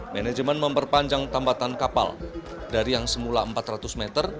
manajemen memperpanjang tambatan kapal dari yang semula empat ratus meter